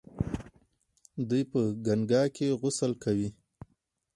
دوی په ګنګا کې غسل کوي.